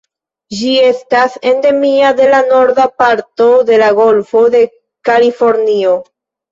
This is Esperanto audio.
Ĝi estas endemia de la norda parto de la Golfo de Kalifornio.